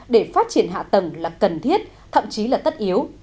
để phát triển hạ tầng là cần thiết thậm chí là tất yếu